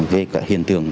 về hiện tượng